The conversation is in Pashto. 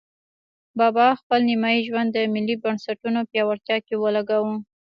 بابا خپل نیمایي ژوند د ملي بنسټونو پیاوړتیا کې ولګاوه.